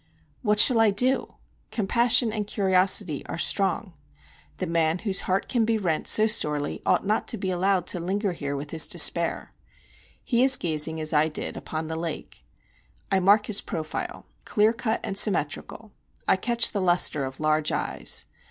What shall I do? Compassion and curiosity are strong. The man whose heart can be rent so sorely ought not to be allowed to linger here with his despair. He is gazing, as I did, upon the lake. I mark his profile—clear cut and symmetrical; I catch the lustre of large eyes.